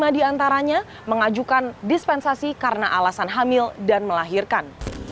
satu ratus dua puluh lima diantaranya mengajukan dispensasi karena alasan hamil dan melahirkan